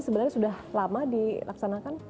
sebenarnya sudah lama dilaksanakan